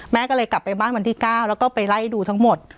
แม่ก็เลยกลับไปบ้านวันที่๙แล้วก็ไปไล่ดูทั้งหมด